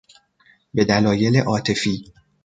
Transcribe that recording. به دلایل عاطفی